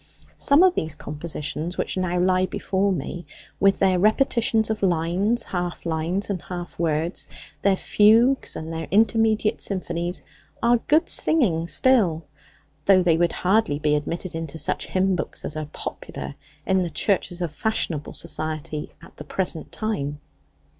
Some of these compositions which now lie before me, with their repetitions of lines, half lines, and half words, their fugues and their intermediate symphonies, are good singing still, though they would hardly be admitted into such hymn books as are popular in the churches of fashionable society at the present time.